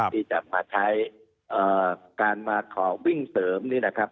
ที่จะมาใช้การมาขอบิ่งเสริม